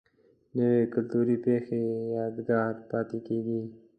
نوې کلتوري پیښه یادګار پاتې کېږي